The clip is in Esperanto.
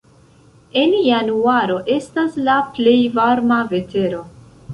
En januaro estas la plej varma vetero.